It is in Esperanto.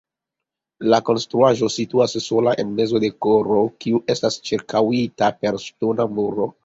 La konstruaĵo situas sola en mezo de korto, kiu estas ĉirkaŭita per ŝtona muro.